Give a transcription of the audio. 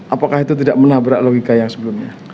apakah itu tidak menabrak logika yang sebelumnya